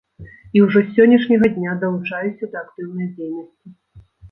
І ўжо з сённяшняга дня далучаюся да актыўнай дзейнасці.